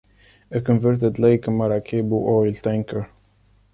A converted Lake Maracaibo oil tanker.